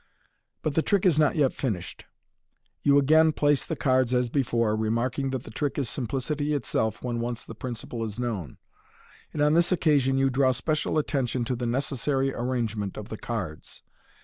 But the trick is not yet finished. You again place the cards as before, remarking that the trick is simplicity itself when once the principle is known, and on this occasion you draw special attention to the necessary arrangement of the cards.